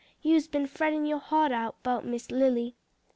You's been frettin' yo' heart out 'bout Miss Lily."